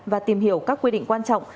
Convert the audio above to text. và tìm hiểu các quy định quan trọng